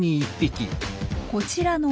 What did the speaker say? こちらの